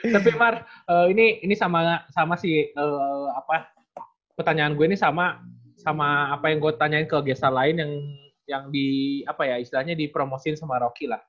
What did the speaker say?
tapi mar ini sama si apa ya pertanyaan gue ini sama apa yang gua tanyain ke gesta lain yang di apa ya istilahnya dipromosin sama rocky lah